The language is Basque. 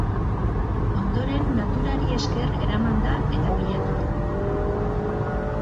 Ondoren naturari esker eramanda eta pilatuta.